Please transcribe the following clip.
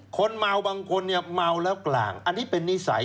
คนเมาบางคนเนี่ยเมาแล้วกลางอันนี้เป็นนิสัย